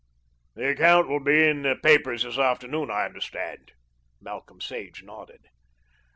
"The account will be in the papers this afternoon, I understand." Malcolm Sage nodded.